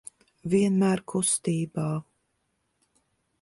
Vienmēr kustībā.